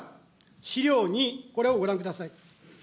資料２、これをご覧ください。